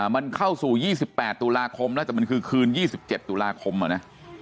มันเข้าสู่๒๘ตุลาคมแล้วแต่มันคือคืน๒๗ตุลาคมอะนะ